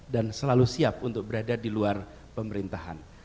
dan selalu siap untuk berada di luar pemerintahan